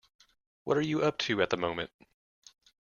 What are you up to at the moment?